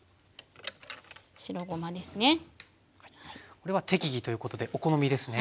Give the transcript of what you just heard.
これは適宜ということでお好みですね。